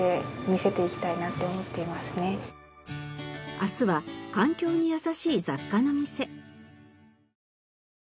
明日は環境にやさしい雑貨の店。